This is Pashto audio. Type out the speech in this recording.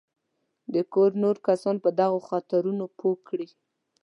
د کور نور کسان په دغو خطرونو پوه کړي.